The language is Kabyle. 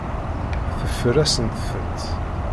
Teffer-asent-tent.